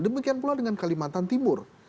demikian pula dengan kalimantan timur